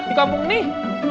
tapi soal keranda tuh